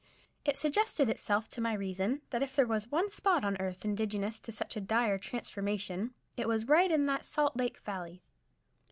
It suggested itself to my reason that if there was one spot on earth indigenous to such a dire transformation it was right in that Salt Lake valley.